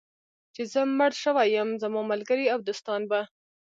چې زه مړ شوی یم، زما ملګري او دوستان به.